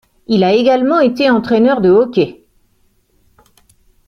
Il a également été entraîneur de hockey.